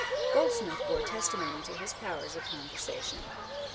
Goldsmith bore testimony to his powers of conversation.